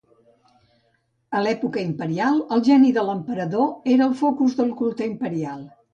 A l'època imperial, el geni de l'emperador era el focus del culte imperial.